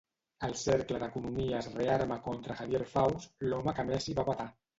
El Cercle d'Economia es rearma contra Javier Faus, l'home que Messi va vetar.